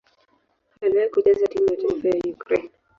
Aliwahi kucheza timu ya taifa ya Ukraine.